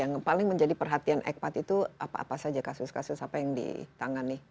yang paling menjadi perhatian ekpat itu apa saja kasus kasus apa yang ditangan nih